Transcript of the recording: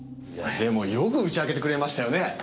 でもよく打ち明けてくれましたよね。